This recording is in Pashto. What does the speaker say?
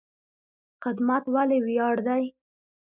خدمت ولې ویاړ دی؟